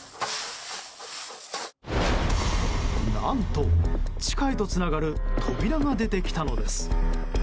何と、地下へとつながる扉が出てきたのです。